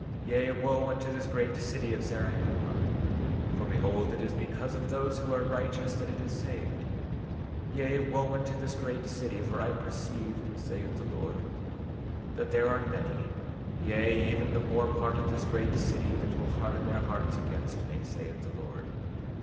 13:12 Yea, wo unto this great city of Zarahemla; for behold, it is because of those who are righteous that it is saved; yea, wo unto this great city, for I perceive, saith the Lord, that there are many, yea, even the more part of this great city, that will harden their hearts against me, saith the Lord.